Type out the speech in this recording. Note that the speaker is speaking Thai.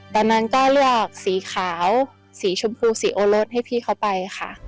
ตอนนั้นก็เลือกสีขาวสีชมพูสีโอรสให้พี่เขาไปค่ะ